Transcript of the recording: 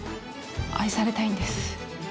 愛されたいんです。